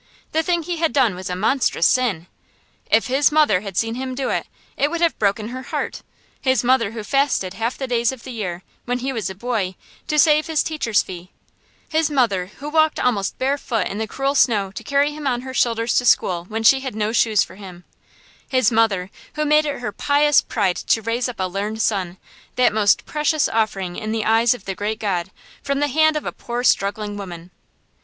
The thing he had done was a monstrous sin. If his mother had seen him do it, it would have broken her heart his mother who fasted half the days of the year, when he was a boy, to save his teacher's fee; his mother who walked almost barefoot in the cruel snow to carry him on her shoulders to school when she had no shoes for him; his mother who made it her pious pride to raise up a learned son, that most precious offering in the eyes of the great God, from the hand of a poor struggling woman.